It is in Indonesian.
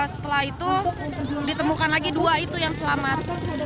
setelah itu ditemukan lagi dua itu yang selamat